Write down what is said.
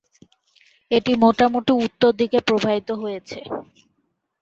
এটি মোটামুটি উত্তর দিকে প্রবাহিত হয়েছে।